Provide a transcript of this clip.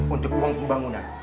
untuk uang pembangunan